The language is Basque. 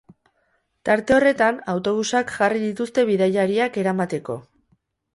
Tarte horretan, autobusak jarri dituzte bidaiariak eramateko.